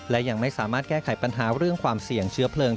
และยังไม่สามารถแก้ไขปัญหาเรื่องความเสี่ยงเชื้อเพลิง